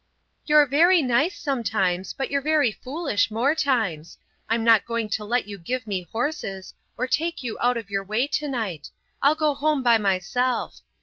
"You're very nice sometimes, but you're very foolish more times. I'm not going to let you give me horses, or take you out of your way to night. I'll go home by myself.